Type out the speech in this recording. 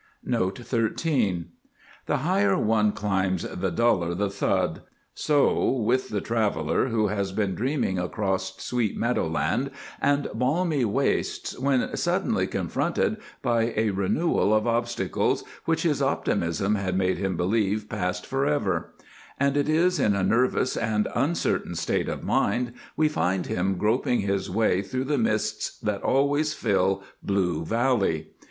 NOTE 13. The higher one climbs the duller the thud. So with the traveller who has been dreaming across sweet meadow land and balmy wastes when suddenly confronted by a renewal of obstacles which his optimism had made him believe passed forever, and it is in a nervous and uncertain state of mind we find him groping his way through the mists that always fill Blue Valley.